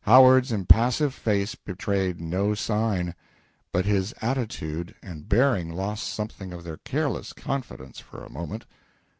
Howard's impassive face betrayed no sign, but his attitude and bearing lost something of their careless confidence for a moment.